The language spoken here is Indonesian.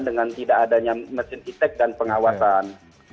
dengan tidak adanya mesin e tech dan pengawasan